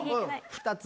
２つ？